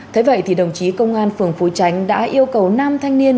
thế vậy thì đồng chí công an phường phú chánh đã yêu cầu nam thanh niên